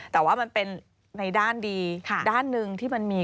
แต่ว่ามันเป็นในด้านดีด้านหนึ่งที่มันมี